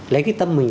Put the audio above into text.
lấy cái tâm mình